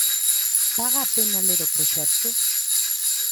Paga a pena ler o proxecto?